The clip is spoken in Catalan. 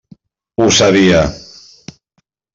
Ho sabia!